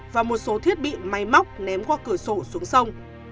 và một số thiết bị máy móc ném qua cửa sổ xuống sông